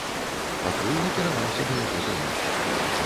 Патруль накіраваўся да яго дома.